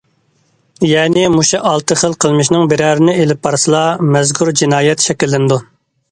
يەنى، مۇشۇ ئالتە خىل قىلمىشنىڭ بىرەرىنى ئېلىپ بارسىلا مەزكۇر جىنايەت شەكىللىنىدۇ.